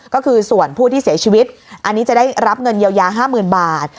ก็คือส่วนผู้ที่เสียชีวิตอันนี้จะได้รับเงินเยียวยา๕๐๐๐บาท